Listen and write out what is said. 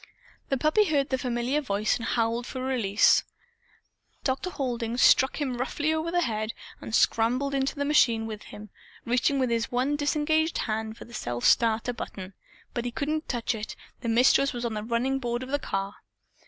The puppy heard the familiar voice and howled for release. Dr. Halding struck him roughly over the head and scrambled into the machine with him, reaching with his one disengaged hand for the self starter button. Before he could touch it, the Mistress was on the running board of the car.